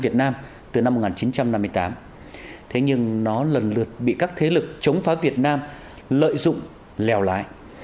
thế nhưng nó lần lượt bị các thế lực chống phá việt nam lợi dụng lèo lại